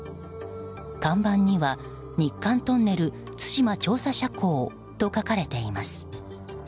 看板には「日韓トンネル対馬調査斜抗」と書かれています。